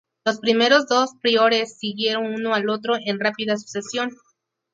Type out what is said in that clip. Los primeros dos priores siguieron uno al otro en rápida sucesión.